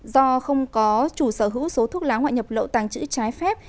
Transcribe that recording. do không có chủ sở hữu số thuốc lá ngoại nhập lậu tàng trữ trái phép